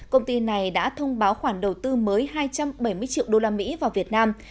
công ty này đã thông báo khoản đầu tư mới hai trăm bảy mươi triệu usd vào việt nam